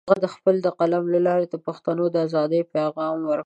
هغه د خپل قلم له لارې د پښتنو د ازادۍ پیغام ورکړ.